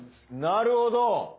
なるほど。